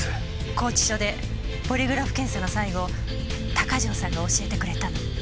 拘置所でポリグラフ検査の最後鷹城さんが教えてくれたの。